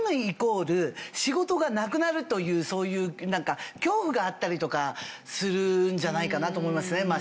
イコール仕事がなくなるというそういう恐怖があったりとかするんじゃないかなと思いますね。